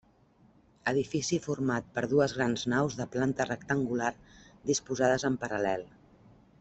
Edifici format per dues grans naus de planta rectangular disposades en paral·lel.